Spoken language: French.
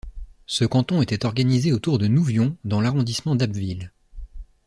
Ce canton était organisé autour de Nouvion dans l'arrondissement d'Abbeville.